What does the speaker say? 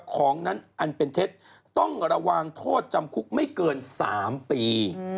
ของนั้นอันเป็นเท็จต้องระวังโทษจำคุกไม่เกิน๓ปี